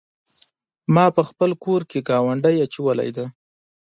ما په خپل کور کې ګاونډی اچولی دی.